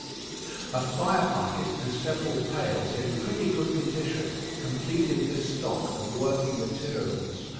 A fire bucket and several pails in pretty good condition completed this stock of working materials.